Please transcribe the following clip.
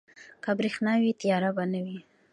که برښنا وي، تیاره به نه وي.